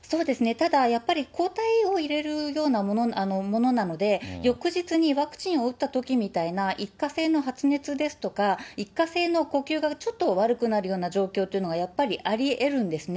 ただやっぱり抗体を入れるようなものなので、翌日にワクチンを打ったときみたいな一過性の発熱ですとか、一過性の呼吸がちょっと悪くなるような状況っていうのがやっぱりありえるんですね。